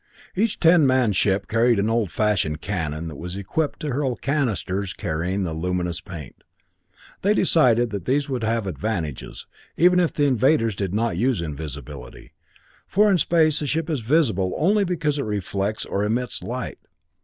Each ten man ship carried an old fashioned cannon that was equipped to hurl cannisters carrying the luminous paint. They decided that these would have advantages, even if the invaders did not use invisibility, for in space a ship is visible only because it reflects or emits light.